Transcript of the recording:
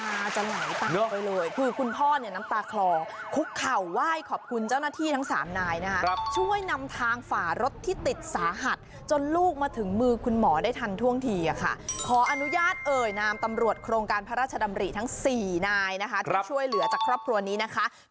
น้ำตาจะหลายตาไปเลยคือคุณพ่อเนี่ยน้ำตาคลองคุกเข่าไหว้ขอบคุณเจ้าหน้าที่ทั้งสามนายนะครับช่วยนำทางฝ่ารถที่ติดสาหัสจนลูกมาถึงมือคุณหมอได้ทันท่วงทีอ่ะค่ะขออนุญาตเอ่ยนามตำรวจโครงการพระราชดำริทั้งสี่ทั้งสี่ทั้งสี่ทั้งสี่ทั้งสี่ทั้งสี่ทั้งสี่ทั้งสี่ทั้งสี่ทั้งสี่ทั้งสี่ทั้งสี่ทั้งสี่ท